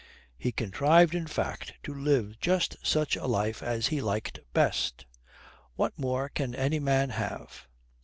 He contrived, in fact, to live just such a life as he liked best. What more can any man have?